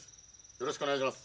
よろしくお願いします。